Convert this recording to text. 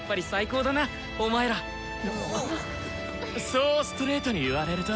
そうストレートに言われると。